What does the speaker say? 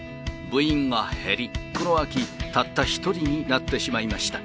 部員は減り、この秋、たった１人になってしまいました。